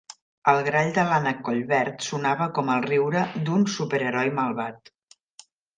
El grall de l'ànec collverd sonava com el riure d'un superheroi malvat.